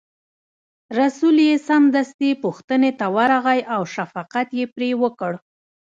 رسول یې سمدستي پوښتنې ته ورغی او شفقت یې پرې وکړ.